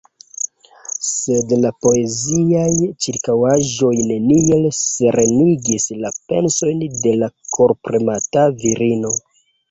Sed la poeziaj ĉirkaŭaĵoj neniel serenigis la pensojn de la korpremata virino.